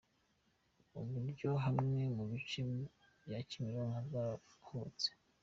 Uburyo hamwe mu bice bya Kimironko hazaba hubatse.